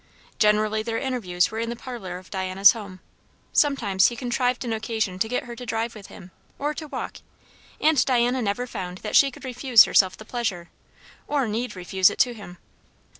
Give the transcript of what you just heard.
Generally their interviews were in the parlour of Diana's home; sometimes he contrived an occasion to get her to drive with him, or to walk; and Diana never found that she could refuse herself the pleasure, or need refuse it to him.